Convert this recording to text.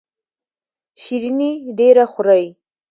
شیریني ډیره خورئ؟